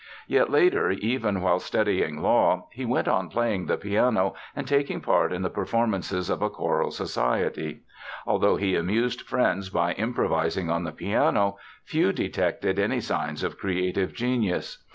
Yet, later, even while studying law, he went on playing the piano and taking part in the performances of a choral society. Although he amused friends by improvising on the piano, few detected any signs of creative genius.